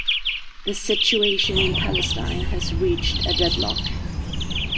The situation in Palestine has reached a deadlock.